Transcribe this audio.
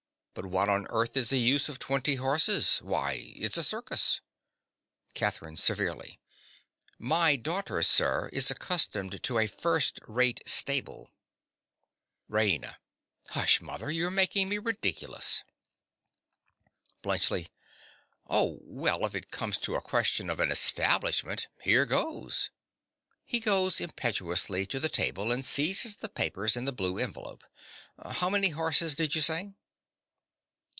But what on earth is the use of twenty horses? Why, it's a circus. CATHERINE. (severely). My daughter, sir, is accustomed to a first rate stable. RAINA. Hush, mother, you're making me ridiculous. BLUNTSCHLI. Oh, well, if it comes to a question of an establishment, here goes! (He goes impetuously to the table and seizes the papers in the blue envelope.) How many horses did you say?